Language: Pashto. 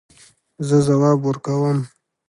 زه ځواب ورکوم